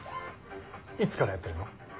いつからやってるの？